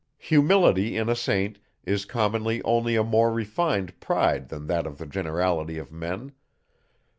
Humility, in a Saint, is commonly only a more refined pride than that of the generality of men.